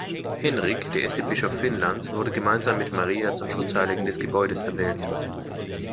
Henrik, der erste Bischof Finnlands, wurde gemeinsam mit Maria zum Schutzheiligen des Gebäudes erwählt.